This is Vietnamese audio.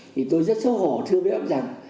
thì tôi rất xấu hổ thương với ông rằng